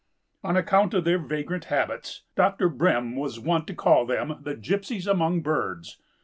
On account of their vagrant habits, Dr. Brehm was wont to call them the "Gypsies" among birds.